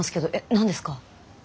何ですか？